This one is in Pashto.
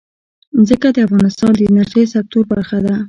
ځمکه د افغانستان د انرژۍ سکتور برخه ده.